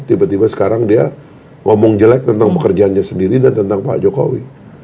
tiba tiba sekarang dia ngomong jelek tentang pekerjaannya sendiri dan tentang pak jokowi